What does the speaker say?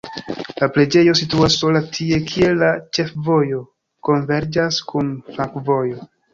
La preĝejo situas sola tie, kie la ĉefvojo konverĝas kun flankovojo.